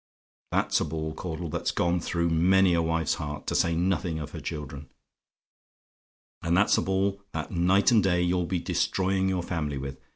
That's a ball, Caudle, that's gone through many a wife's heart, to say nothing of her children. And that's a ball, that night and day you'll be destroying your family with.